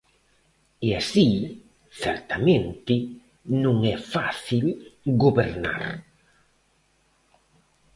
E así, certamente, non é fácil gobernar.